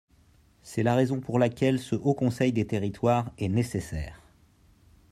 C’est la raison pour laquelle ce Haut conseil des territoires est nécessaire.